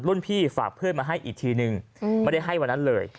พี่ฝากเพื่อนมาให้อีกทีนึงไม่ได้ให้วันนั้นเลย